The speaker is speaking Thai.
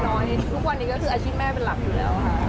ทุกวันนี้ก็คืออาชีพแม่เป็นหลักอยู่แล้วค่ะ